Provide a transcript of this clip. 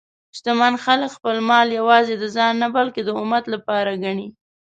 شتمن خلک خپل مال یوازې د ځان نه، بلکې د امت لپاره ګڼي.